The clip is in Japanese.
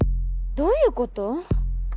どういうこと？